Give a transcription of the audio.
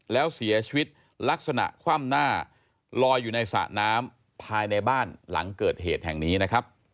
แล้วเสียชีวิตลักษณะคว่ำหน้าลอยอยู่ในสระน้ำภายในบ้านหลังเกิดเหตุแห่งนี้นะครับ